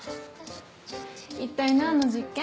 一体なんの実験？